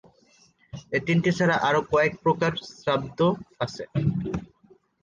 এ তিনটি ছাড়া আরও কয়েক প্রকার শ্রাদ্ধ আছে।